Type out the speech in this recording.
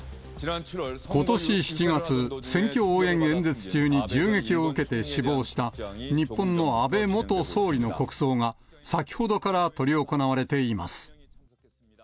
ことし７月、選挙応援演説中に銃撃を受けて死亡した、日本の安倍元総理の国葬が先ほどから執り行われています。